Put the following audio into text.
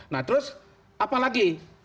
nah terus apalagi